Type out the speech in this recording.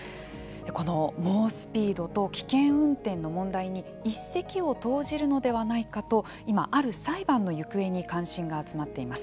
この猛スピードと危険運転の問題に一石を投じるのではないかと今ある裁判の行方に関心が集まっています。